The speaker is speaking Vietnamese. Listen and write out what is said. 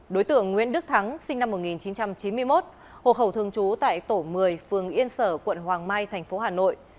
đối tượng nguyễn đức thắng sinh năm một nghìn chín trăm chín mươi một hộ khẩu thường trú tại tổ một mươi phường yên sở quận hoàng mai thành phố hà nội